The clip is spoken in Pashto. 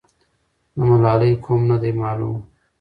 د ملالۍ قوم نه دی معلوم.